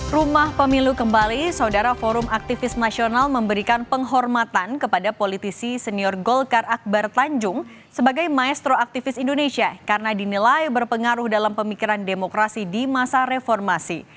rumah pemilu kembali saudara forum aktivis nasional memberikan penghormatan kepada politisi senior golkar akbar tanjung sebagai maestro aktivis indonesia karena dinilai berpengaruh dalam pemikiran demokrasi di masa reformasi